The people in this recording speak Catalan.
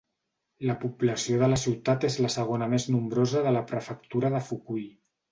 La població de la ciutat és la segona més nombrosa de la prefectura de Fukui.